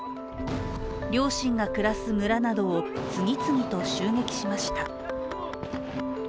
両親が暮らす村などを次々と襲撃しました。